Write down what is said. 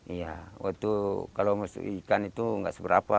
iya waktu kalau masuk ikan itu nggak seberapa